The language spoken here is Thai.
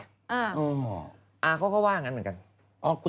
ตัวเองไปอาเขาก็ว่าอย่างนั้นเหมือนกัน